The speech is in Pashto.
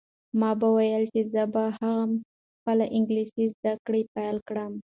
ما به ویل چې زه به هم خپله انګلیسي زده کړه پیل کړم.